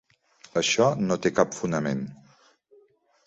Això no té cap fonament.